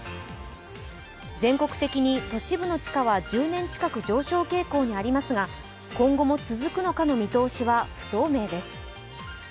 全国的に都市部の地価は１０年近く上昇傾向にありますが今後も続くのかの見通しは不透明です。